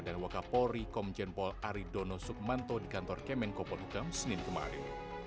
dan wakapolri komjenpol aridono sukmanto di kantor kemenkopol hukum senin kemarin